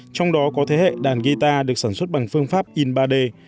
trong đó có thế hệ đàn guitar được sản xuất bằng phương pháp in ba d